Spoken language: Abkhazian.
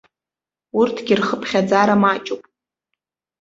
Урҭгьы рхыԥхьаӡара маҷуп.